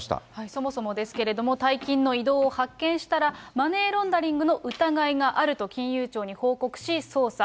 そもそもですけれども、大金の移動を発見したら、マネーロンダリングの疑いがあると、金融庁に報告し、捜査。